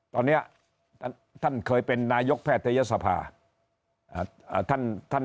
ตอนนี้ท่านเคยเป็นนายกแพทยศภา